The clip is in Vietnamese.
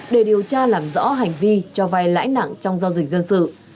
để điều tra làm rõ hành vi cho vay lãi nặng trong giao dịch dân sự